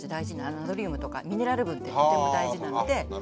ナトリウムとかミネラル分ってとても大事なので。